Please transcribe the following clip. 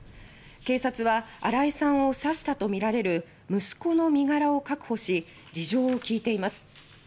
警察は新井さんを刺したとみられる息子の身柄を確保し事情を聞いています。